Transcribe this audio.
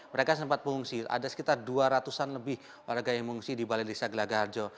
mereka sempat mengungsi ada sekitar dua ratus an lebih warga yang mengungsi di balai desa gelaga harjo